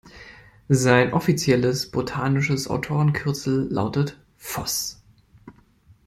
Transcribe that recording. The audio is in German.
Sein offizielles botanisches Autorenkürzel lautet „Voss“.